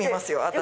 私。